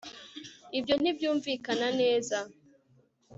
ibyo ntibyumvikana neza